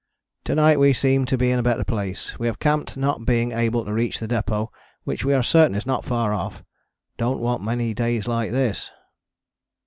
To night we seem to be in a better place. We have camped not being able to reach the depôt, which we are certain is not far off. Dont want many days like this.